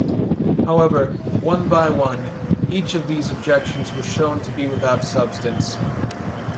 However, one by one, each of these objections were shown to be without substance.